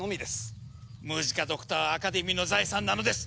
ムジカドクターはアカデミーの財産なのです。